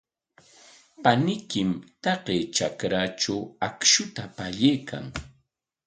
Paniykim taqay trakratraw akshuta pallaykan.